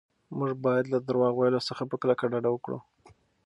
موږ باید له درواغ ویلو څخه په کلکه ډډه وکړو.